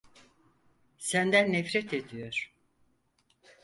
Senden nefret ediyor.